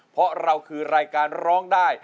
เพราะเราคือรายการร้องได้